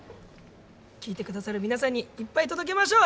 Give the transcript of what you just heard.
聴いて下さる皆さんにいっぱい届けましょう！